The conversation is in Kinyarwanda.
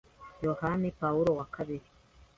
Yohani Pawulo wa kabiri